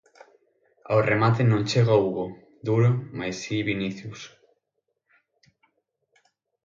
Ao remate non chega Hugo Duro, mais si Vinicius.